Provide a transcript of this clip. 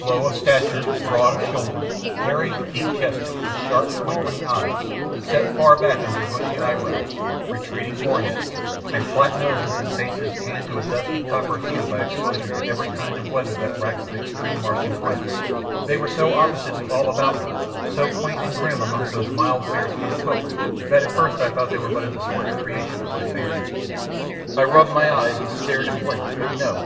Low of stature, broad of shoulder, hairy, deep chested, with sharp, twinkling eyes, set far back under bushy eyebrows, retreating foreheads, and flat noses in faces tanned to a dusky copper hue by exposure to every kind of weather that racks the extreme Martian climate they were so opposite to all about me, so quaint and grim amongst those mild, fair skinned folk, that at first I thought they were but a disordered creation of my fancy. I rubbed my eyes and stared and blinked, but no!